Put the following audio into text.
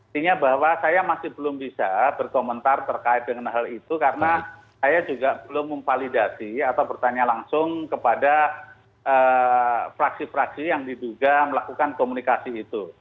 artinya bahwa saya masih belum bisa berkomentar terkait dengan hal itu karena saya juga belum memvalidasi atau bertanya langsung kepada fraksi fraksi yang diduga melakukan komunikasi itu